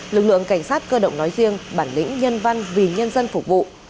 lực lượng cảnh sát cơ động nói riêng bản lĩnh nhân văn vì nhân dân phục vụ